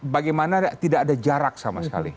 bagaimana tidak ada jarak sama sekali